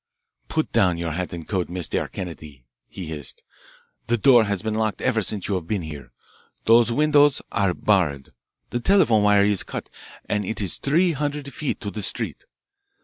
"Put down your hat and coat, Mistair Kennedy," he hissed. "The door has been locked ever since you have been here. Those windows are barred, the telephone wire is cut, and it is three hundred feet to the street.